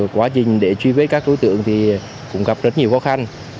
quá trình để truy vết các đối tượng thì cũng gặp rất nhiều khó khăn